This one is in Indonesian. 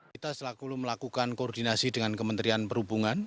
kita selaku melakukan koordinasi dengan kementerian perhubungan